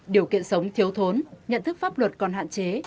điều kiện sống thiếu thốn nhận thức pháp luật còn hạn chế